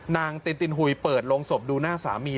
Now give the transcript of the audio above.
ตินตินหุยเปิดโรงศพดูหน้าสามี